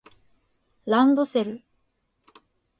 ランドセル